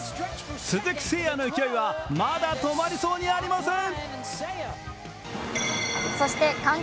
鈴木誠也の勢いはまだ止まりそうにありません。